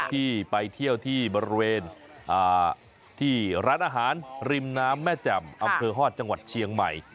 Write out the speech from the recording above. ที่ไปเที่ยวที่บริเวณที่ร้านอาหารริมน้ำแม่แจ่มอำเภอฮอตจังหวัดเชียงใหม่